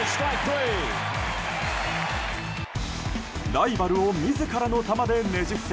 ライバルを自らの球でねじ伏せ